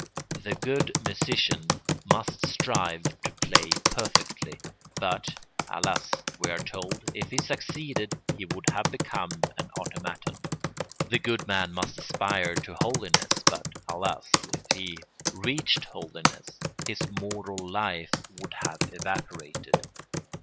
The good musician must strive to play perfectly, but, alas, we are told, if he succeeded he would have become an automaton. The good man must aspire to holiness, but, alas, if he reached holiness his moral life would have evaporated.